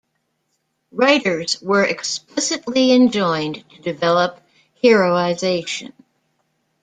Writers were explicitly enjoined to develop heroization.